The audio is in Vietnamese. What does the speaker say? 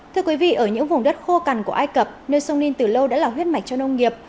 thưa quý vị ở những vùng đất khô cằn của ai cập nơi sông ninh từ lâu đã là huyết mạch cho nông nghiệp